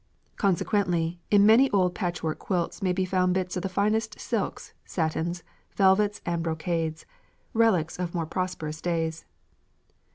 Consequently, in many old patchwork quilts may be found bits of the finest silks, satins, velvets, and brocades, relics of more prosperous days.